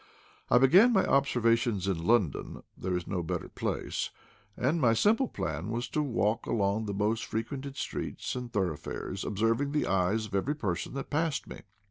I began my observations in London — there is no bet ter place; and my simple plan was to walk along the most frequented streets and thoroughfares, observing the eyes of every person that passed me.